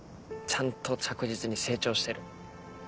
ちゃんと着実に成長してる。